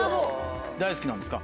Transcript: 大好きなんですか？